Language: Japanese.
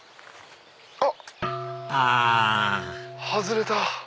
あ外れた！